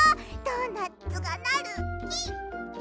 ドーナツがなるき！